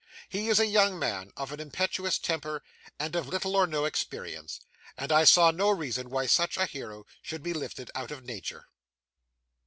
He is a young man of an impetuous temper and of little or no experience; and I saw no reason why such a hero should be lifted out of nature.